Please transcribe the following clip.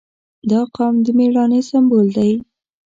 • دا قوم د مېړانې سمبول دی.